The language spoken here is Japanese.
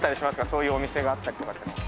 そういうお店があったりとかは。